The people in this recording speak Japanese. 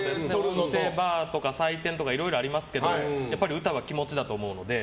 音程バーとか採点とかいろいろありますけどやっぱり歌は気持ちだと思うので。